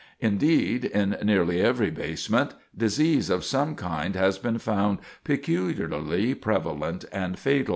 Indeed, in nearly every basement disease of some kind has been found peculiarly prevalent and fatal."